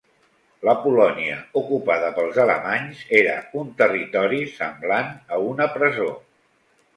La Polònia ocupada pels alemanys era un territori semblant a una presó.